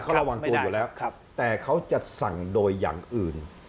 เขาระวังตัวอยู่แล้วแต่เขาจะสั่งโดยอย่างอื่น